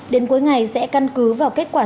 đến cuối ngày sẽ căn cứ vào kết quả